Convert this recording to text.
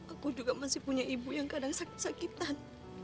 aku juga masih punya ibu yang kadang sakitan